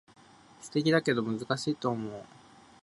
素敵だけど難しいと思う